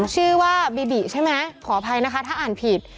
ชื่อว่าบีบิใช่ไหมขออภัยนะคะถ้าอ่านผิด